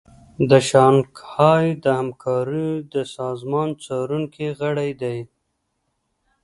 د شانګهای د همکاریو د سازمان څارونکی غړی دی